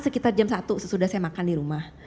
sekitar jam satu sesudah saya makan di rumah